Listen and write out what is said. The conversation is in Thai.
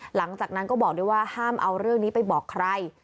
หลังจากนั้นก็บอกด้วยว่าห้ามเอาเรื่องนี้ไปบอกใคร